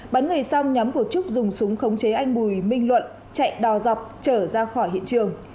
bắn người xong nhóm cục trúc dùng súng khống chế anh bùi minh luận chạy đò dọc trở ra khỏi hiện trường